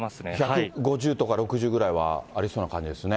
１５０とか６０ぐらいはありそうな感じですね。